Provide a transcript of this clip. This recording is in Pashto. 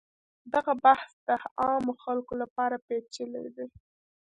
دغه بحث د عامو خلکو لپاره پیچلی دی.